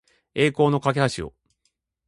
栄光の架橋を